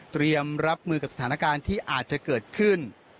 เตรียมรับมือกับสถานการณ์ที่อาจจะเกิดขึ้น